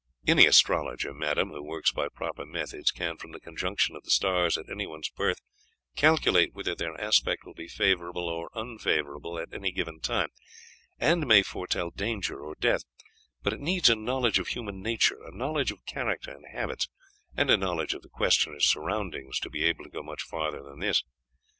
"'Any astrologer, madame, who works by proper methods can, from the conjunction of the stars at anyone's birth, calculate whether their aspect will be favourable or unfavourable at any given time, and may foretell danger or death; but it needs a knowledge of human nature, a knowledge of character and habits, and a knowledge of the questioner's surroundings to be able to go much farther than this.